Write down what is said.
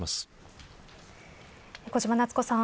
小島奈津子さん